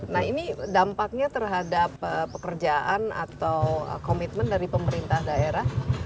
nah ini dampaknya terhadap pekerjaan atau komitmen dari pemerintah daerah